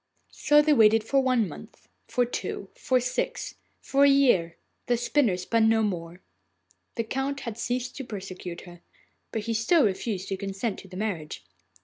So they waited for one month, for two, for six, for a year. The spinner spun no more. The Count had ceased to persecute her, but he still refused his consent to the marriage.